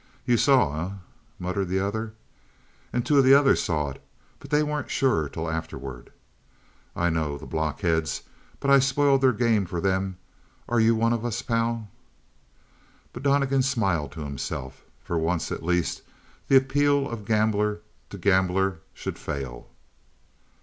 "You saw, eh?" muttered the other. "And two of the others saw it. But they weren't sure till afterward." "I know. The blockheads! But I spoiled their game for them. Are you one of us, pal?" But Donnegan smiled to himself. For once at least the appeal of gambler to gambler should fail.